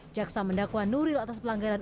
jaksa mendakwa nuril atas pelanggaran